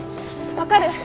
分かる？